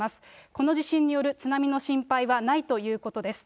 この地震による津波の心配はないということです。